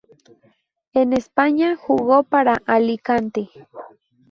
En España jugó para Alicante.